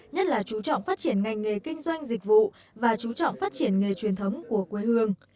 nhất là chú trọng phát triển ngành nghề kinh doanh dịch vụ và chú trọng phát triển nghề truyền thống của quê hương